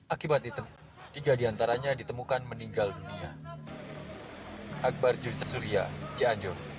akibat itu tiga diantaranya ditemukan meninggal dunia